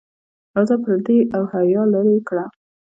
راځه پردې او حیا لرې کړه.